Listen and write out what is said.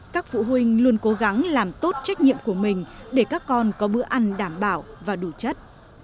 các phụ huynh luôn cố gắng làm tốt trách nhiệm của mình để các con có bữa ăn đảm bảo và đủ chất